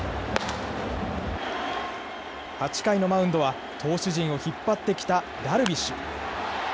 ８回のマウンドは投手陣を引っ張ってきたダルビッシュ。